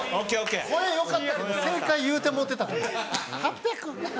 声よかったけど正解言うてもうてた「８００」。